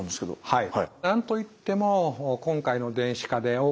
はい。